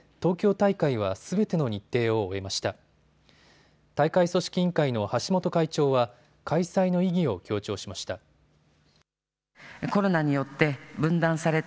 大会組織委員会の橋本会長は開催の意義を強調しました。